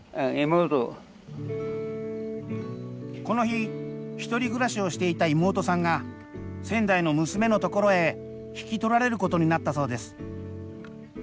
この日一人暮らしをしていた妹さんが仙台の娘の所へ引き取られることになったそうです。